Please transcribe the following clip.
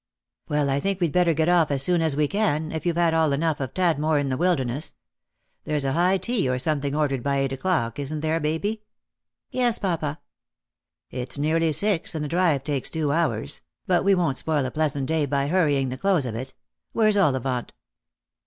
" Well, I think we'd better get off as soon as we can, if you've all had enough of Tadmor in the Wilderness. There's a high tea or something ordered for eight o'clock, isn't there, Baby ?" "Yes, papa?" " It's nearly six, and the drive takes two hours ; but we won't spoil a pleasant day by hurrying the close of it. Where's Ollivant?"